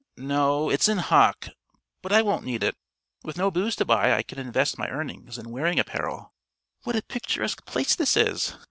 "No; it's in hock. But I won't need it. With no booze to buy I can invest my earnings in wearing apparel. What a picturesque place this is!